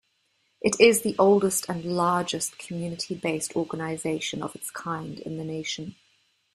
It is the oldest and largest community-based organization of its kind in the nation.